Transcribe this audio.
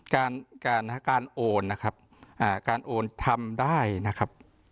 การการโอนนะครับอ่าการโอนทำได้นะครับ